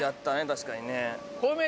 確かにね。